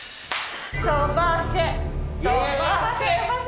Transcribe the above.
飛ばせ！